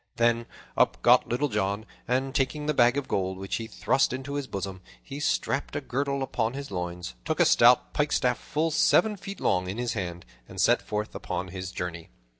Then up got Little John, and, taking the bag of gold, which he thrust into his bosom, he strapped a girdle about his loins, took a stout pikestaff full seven feet long in his hand, and set forth upon his journey.